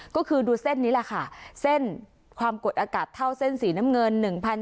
ก็คือดูเส้นนี้แหละค่ะเส้นความกดอากาศเท่าเส้นสีน้ำเงิน